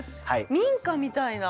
民家みたいな。